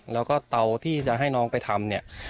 แล้วก็เตาที่จะให้น้องไปทำเนี่ย